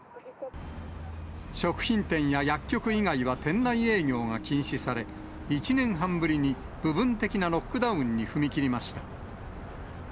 食品店や薬局以外は店内営業が禁止され、１年半ぶりに部分的なロックダウンに踏み切りました。